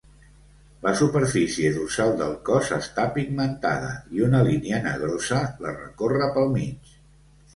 La superfície dorsal del cos està pigmentada i una línia negrosa la recorre pel mig.